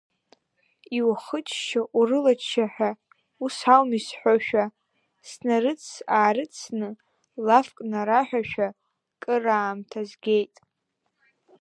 Иухыччо урылачча ҳәа ус ауми сҳәошәа, снарыҵс-аарыҵсны, лафк нараҳәашәа, кыр аамҭа згеит.